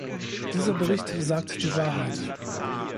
Dieser Bericht sagt die Wahrheit.